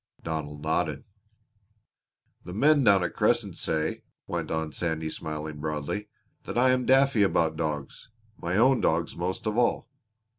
Donald nodded. "The men down at Crescent say," went on Sandy smiling broadly, "that I am daffy about dogs my own dogs most of all.